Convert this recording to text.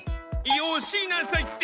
よしなさいって！